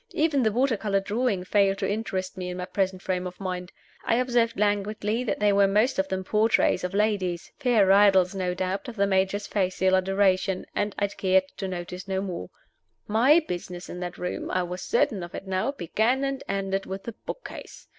Even the water color drawings failed to interest me in my present frame of mind. I observed languidly that they were most of them portraits of ladies fair idols, no doubt, of the Major's facile adoration and I cared to notice no more. My business in that room (I was certain of it now!) began and ended with the book case.